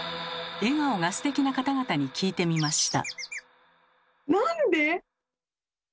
笑顔がステキな方々に聞いてみました。